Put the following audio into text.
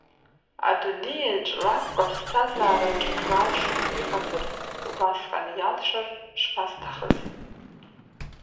Адунеиаҿ лакәк аԥсҭазаараҿ кралшон иҟазар, убасҟан иалшар шԥасҭахыз!